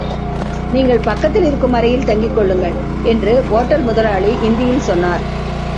நீங்கள் பக்கத்திலிருக்கும் அறையில் தங்கிக் கொள்ளுங்கள் என்று ஒட்டல் முதலாளி இந்தியில் சொன்னார்.